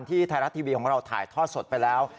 ไทยรัฐทีวีของเราถ่ายทอดสดไปแล้ว